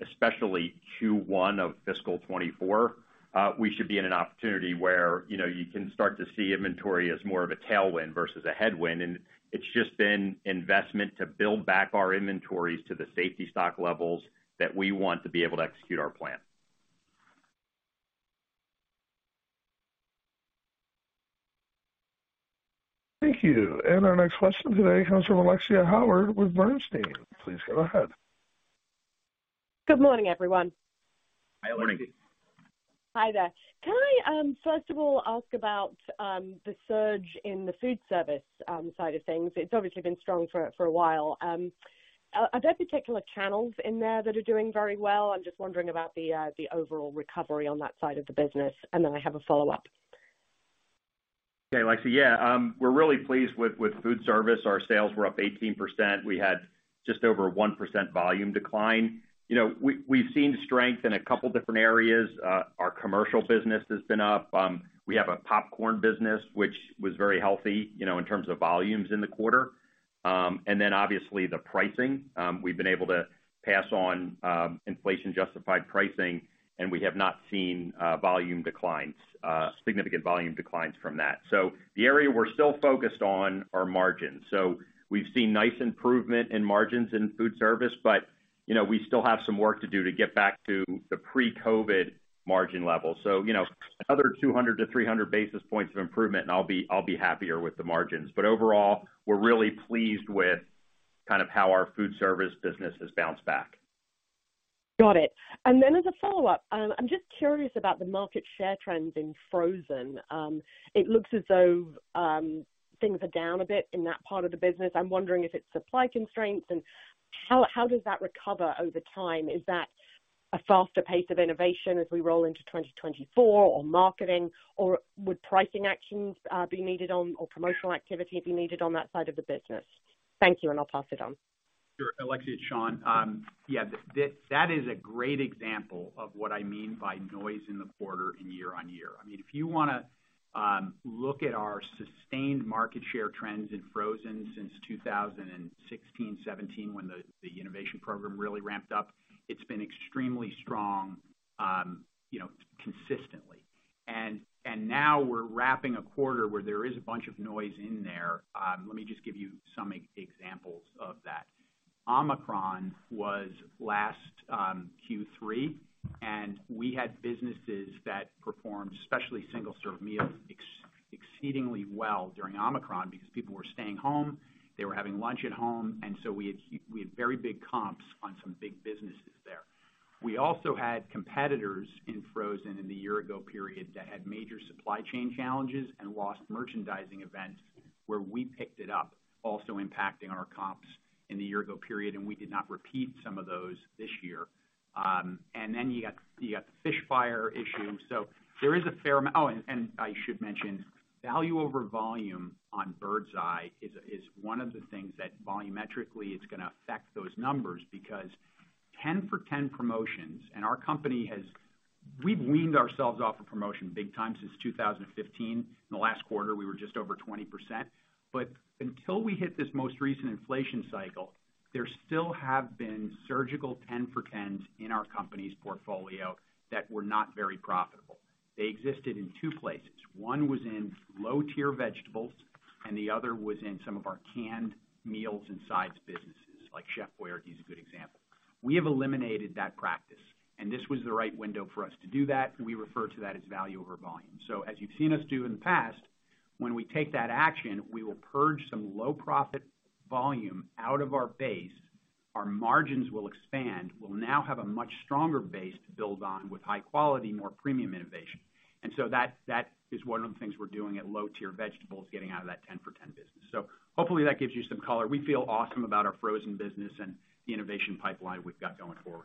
especially Q1 of fiscal 2024, we should be in an opportunity where, you know, you can start to see inventory as more of a tailwind versus a headwind. It's just been investment to build back our inventories to the safety stock levels that we want to be able to execute our plan. Thank you. Our next question today comes from Alexia Howard with Bernstein. Please go ahead. Good morning, everyone. Hi, Alexia. Good morning. Hi there. Can I, first of all ask about, the surge in the foodservice, side of things? It's obviously been strong for a while. Are there particular channels in there that are doing very well? I'm just wondering about the overall recovery on that side of the business, then I have a follow-up. Alexia. We're really pleased with Foodservice. Our sales were up 18%. We had just over 1% volume decline. You know, we've seen strength in a couple different areas. Our commercial business has been up. We have a popcorn business, which was very healthy, you know, in terms of volumes in the quarter. Obviously the pricing. We've been able to pass on inflation-justified pricing, and we have not seen volume declines, significant volume declines from that. The area we're still focused on are margins. We've seen nice improvement in margins in food service, but, you know, we still have some work to do to get back to the pre-COVID margin level. You know, another 200 basis points-300 basis points of improvement, and I'll be happier with the margins. Overall, we're really pleased with kind of how our Foodservice business has bounced back. Got it. As a follow-up, I'm just curious about the market share trends in Frozen. It looks as though, things are down a bit in that part of the business. I'm wondering if it's supply constraints and how does that recover over time? Is that a faster pace of innovation as we roll into 2024 or marketing, or would pricing actions, be needed on or promotional activity be needed on that side of the business? Thank you. I'll pass it on. Sure, Alexia, it's Sean. Yeah, that is a great example of what I mean by noise in the quarter in year-on-year. I mean, if you wanna look at our sustained market share trends in Frozen since 2016, 2017 when the innovation program really ramped up, it's been extremely strong, you know, consistently. Now we're wrapping a quarter where there is a bunch of noise in there. Let me just give you some examples of that. Omicron was last Q3, and we had businesses that performed, especially single-serve meals, exceedingly well during Omicron because people were staying home, they were having lunch at home, and so we had very big comps on some big businesses there. We also had competitors in Frozen in the year-ago period that had major supply chain challenges and lost merchandising events where we picked it up, also impacting our comps in the year-ago period. We did not repeat some of those this year. You got the fish fire issue. There is a fair and I should mention, value over volume on Birds Eye is one of the things that volumetrically it's gonna affect those numbers because 10 for 10 promotions. We've weaned ourselves off of promotion big time since 2015. In the last quarter, we were just over 20%. Until we hit this most recent inflation cycle, there still have been surgical 10 for 10s in our company's portfolio that were not very profitable. They existed in two places. One was in low-tier vegetables. The other was in some of our canned meals and sides businesses, like Chef Boyardee is a good example. We have eliminated that practice. This was the right window for us to do that. We refer to that as value over volume. As you've seen us do in the past, when we take that action, we will purge some low profit volume out of our base. Our margins will expand. We'll now have a much stronger base to build on with high quality, more premium innovation. That, that is one of the things we're doing at low-tier vegetables, getting out of that 10 for 10 business. Hopefully that gives you some color. We feel awesome about our Frozen business and the innovation pipeline we've got going forward.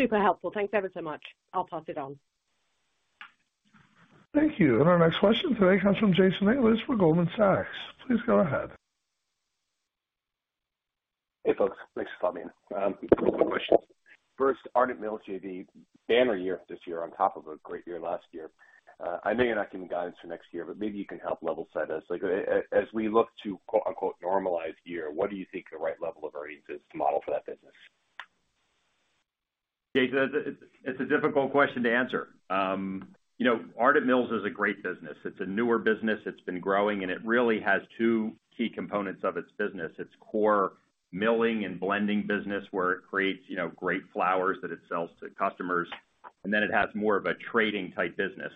Super helpful. Thanks ever so much. I'll pass it on. Thank you. Our next question today comes from Jason English with Goldman Sachs. Please go ahead. Hey, folks. Thanks for letting me in. two questions. First, Ardent Mills JV, banner year this year on top of a great year last year. I know you're not giving guidance for next year, but maybe you can help level set us. Like, as we look to quote-unquote, normalize year, what do you think the right level of earnings is to model for that business? Jason, it's a difficult question to answer. You know, Ardent Mills is a great business. It's a newer business. It's been growing, and it really has two key components of its business, its core milling and blending business, where it creates, you know, great flours that it sells to customers, and then it has more of a trading type business.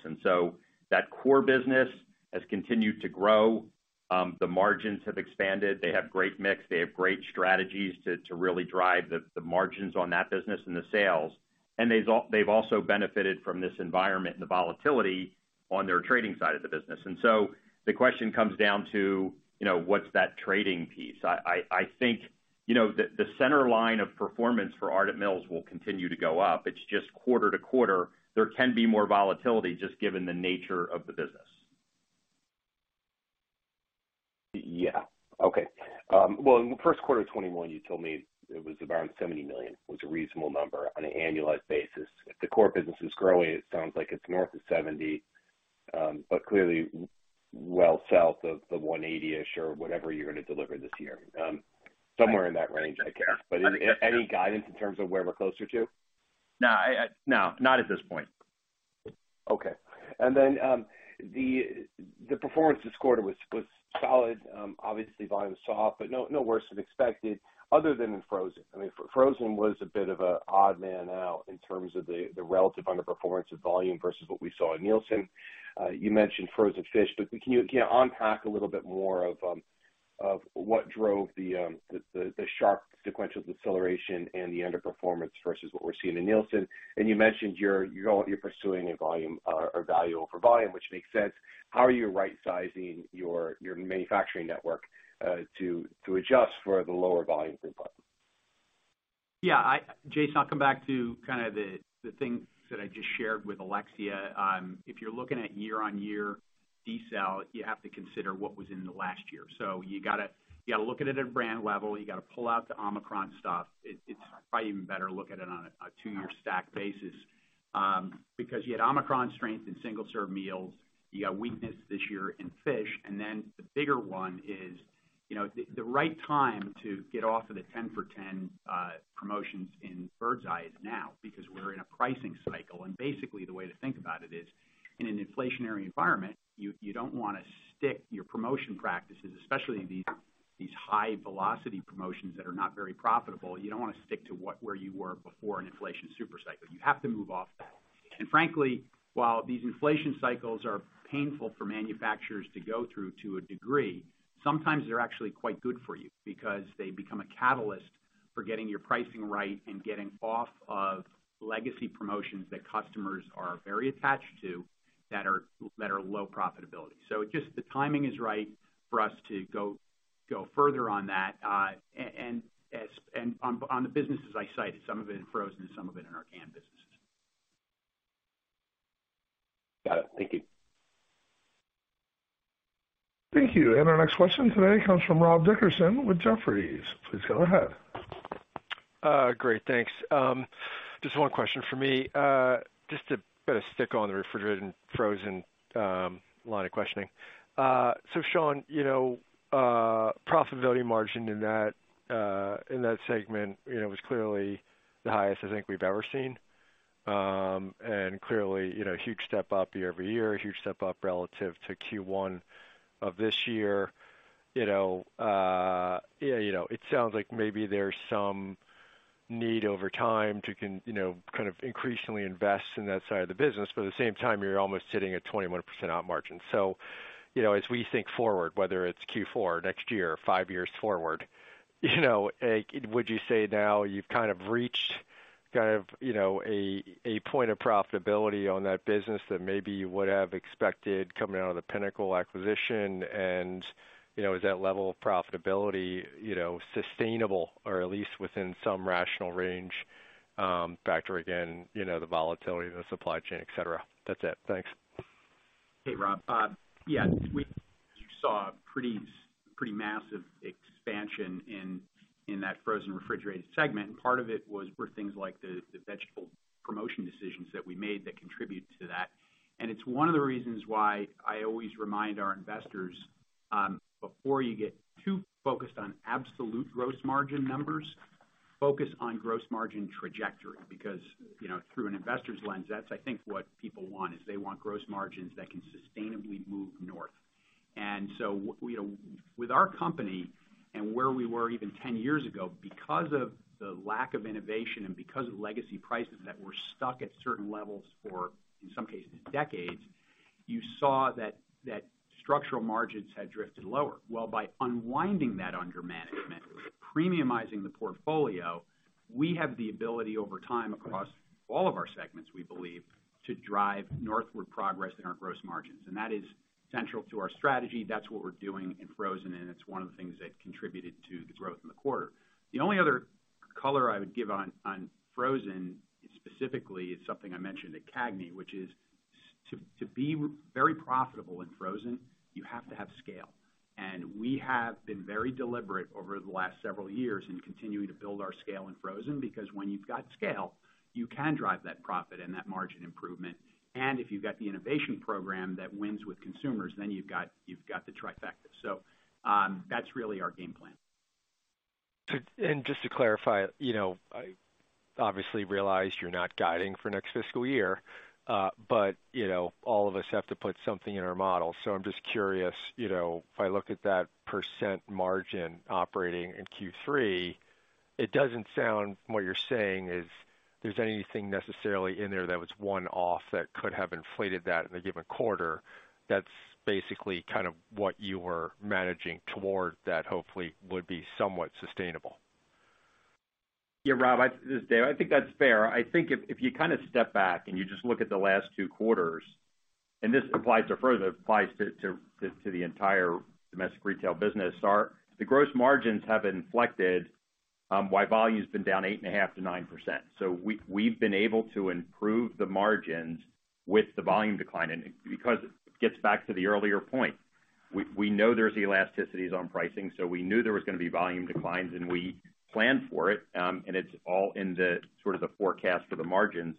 That core business has continued to grow. The margins have expanded. They have great mix. They have great strategies to really drive the margins on that business and the sales. They've also benefited from this environment and the volatility on their trading side of the business. The question comes down to, you know, what's that trading piece? I think, you know, the center line of performance for Ardent Mills will continue to go up. It's just quarter-to-quarter, there can be more volatility just given the nature of the business. Yeah. Okay. Well, in the first quarter of 2021, you told me it was around $70 million was a reasonable number on an annualized basis. If the core business is growing, it sounds like it's north of $70 million, but clearly well south of the $180 million-ish or whatever you're gonna deliver this year, somewhere in that range, I guess. Any, any guidance in terms of where we're closer to? No, not at this point. Okay. The performance this quarter was solid. Obviously volume was soft, but no worse than expected other than in Frozen. I mean, Frozen was a bit of a odd man out in terms of the relative underperformance of volume versus what we saw in Nielsen. You mentioned frozen fish, but can you, again, unpack a little bit more of what drove the sharp sequential deceleration and the underperformance versus what we're seeing in Nielsen? You mentioned you're pursuing a volume or value over volume, which makes sense. How are you rightsizing your manufacturing network to adjust for the lower volume input? Jason, I'll come back to kind of the things that I just shared with Alexia. If you're looking at year-on-year decel, you have to consider what was in the last year. You gotta look at it at brand level. You gotta pull out the Omicron stuff. It's probably even better look at it on a two-year stack basis because you had Omicron strength in single-serve meals, you got weakness this year in fish, and then the bigger one is, you know, the right time to get off of the 10 for 10 promotions in Birds Eye is now because we're in a pricing cycle. Basically the way to think about it is, in an inflationary environment, you don't wanna stick your promotion practices, especially these high velocity promotions that are not very profitable. You don't wanna stick to where you were before an inflation super cycle. You have to move off that. Frankly, while these inflation cycles are painful for manufacturers to go through to a degree, sometimes they're actually quite good for you because they become a catalyst for getting your pricing right and getting off of legacy promotions that customers are very attached to that are low profitability. Just the timing is right for us to go further on that. On the businesses I cited, some of it in Frozen and some of it in our canned businesses. Got it. Thank you. Thank you. Our next question today comes from Rob Dickerson with Jefferies. Please go ahead. Great, thanks. Just one question for me. Just to kind of stick on the Refrigerated & Frozen line of questioning. Sean, you know, profitability margin in that segment, you know, was clearly the highest I think we've ever seen. Clearly, you know, huge step up year-over-year, huge step up relative to Q1 of this year. You know, yeah, you know, it sounds like maybe there's some need over time to, you know, kind of increasingly invest in that side of the business, but at the same time, you're almost sitting at 21% op margin. you know, as we think forward, whether it's Q4, next year, 5 years forward, you know, like, would you say now you've kind of reached, you know, a point of profitability on that business that maybe you would have expected coming out of the Pinnacle acquisition? you know, is that level of profitability, you know, sustainable or at least within some rational range, factoring in, you know, the volatility of the supply chain, et cetera? That's it. Thanks. Hey, Rob. Yeah, this week you saw a pretty massive expansion in that frozen refrigerated segment, part of it were things like the vegetable promotion decisions that we made that contribute to that. It's one of the reasons why I always remind our investors, before you get too focused on absolute gross margin numbers, focus on gross margin trajectory. You know, through an investor's lens, that's I think what people want, is they want gross margins that can sustainably move north. You know, with our company and where we were even 10 years ago, because of the lack of innovation and because of legacy prices that were stuck at certain levels for, in some cases, decades, you saw that structural margins had drifted lower. By unwinding that under management, premiumizing the portfolio, we have the ability over time, across all of our segments, we believe, to drive northward progress in our gross margins. That is central to our strategy. That's what we're doing in Frozen, and it's one of the things that contributed to the growth in the quarter. The only other color I would give on Frozen specifically is something I mentioned at CAGNY, which is to be very profitable in Frozen, you have to have scale. We have been very deliberate over the last several years in continuing to build our scale in Frozen, because when you've got scale, you can drive that profit and that margin improvement. If you've got the innovation program that wins with consumers, then you've got the trifecta. That's really our game plan. Just to clarify, you know, I obviously realize you're not guiding for next fiscal year, but, you know, all of us have to put something in our model. I'm just curious, you know, if I look at that percent margin operating in Q3, it doesn't sound, from what you're saying, is there's anything necessarily in there that was one-off that could have inflated that in a given quarter? That's basically kind of what you were managing toward that hopefully would be somewhat sustainable. Yeah. Rob, this is Dave. I think that's fair. I think if you kinda step back and you just look at the last two quarters, and this applies to further, applies to the entire domestic retail business, the gross margins have inflected while volume's been down 8.5% to 9%. We've been able to improve the margins with the volume decline and because it gets back to the earlier point. We know there's elasticities on pricing, so we knew there was gonna be volume declines and we planned for it. It's all in the sort of the forecast for the margin.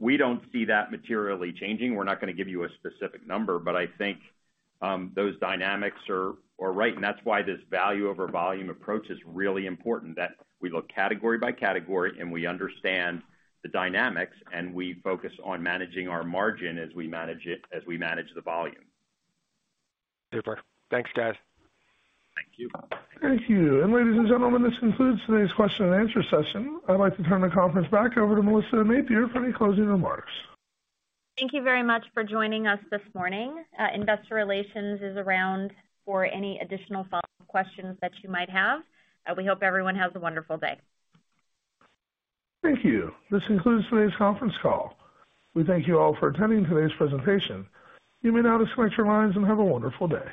We don't see that materially changing. We're not gonna give you a specific number, but I think those dynamics are right, and that's why this value over volume approach is really important. We look category by category, and we understand the dynamics, and we focus on managing our margin as we manage it, as we manage the volume. Super. Thanks, guys. Thank you. Thank you. Ladies and gentlemen, this concludes today's question and answer session. I'd like to turn the conference back over to Melissa Napier for any closing remarks. Thank you very much for joining us this morning. Investor Relations is around for any additional follow-up questions that you might have. We hope everyone has a wonderful day. Thank you. This concludes today's conference call. We thank you all for attending today's presentation. You may now disconnect your lines and have a wonderful day.